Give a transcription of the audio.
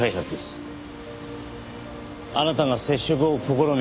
あなたが接触を試み